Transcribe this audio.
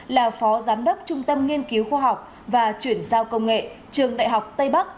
là phó giám đốc trung tâm nghiên cứu khoa học và chuyển giao công nghệ trường đại học tây bắc